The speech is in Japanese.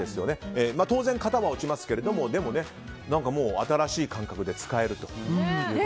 当然、型は落ちますけどでも新しい感覚で使えるということで。